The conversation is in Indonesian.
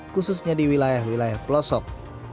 khususnya di wilayah wilayah pelosok